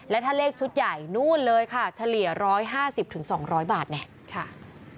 และถ้าเลขชุดใหญ่นู่นเลยค่ะเฉลี่ย๑๕๐๒๐๐บาทไง